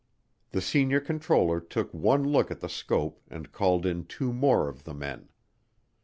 The senior controller took one look at the scope and called in two more of the men.